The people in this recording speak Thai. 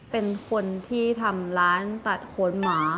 เป็นคนที่ทำร้านตัดขนหมา